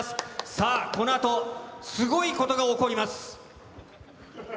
さあ、このあと、すごいことが起こります。